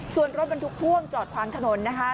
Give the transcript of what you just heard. ส่วนรถมันถูกพ่วงจอดควางถนนนะฮะ